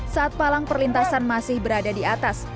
saat palang perlintasan masih berada di atas